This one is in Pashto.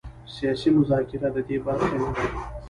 سیاسي مذاکره د دې برخه نه ده.